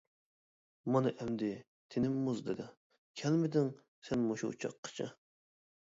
مانا ئەمدى تىنىم مۇزلىدى، كەلمىدىڭ سەن مۇشۇ چاققىچە.